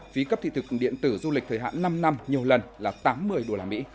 phí cấp thị thực điện tử du lịch thời hạn năm năm nhiều lần là tám mươi usd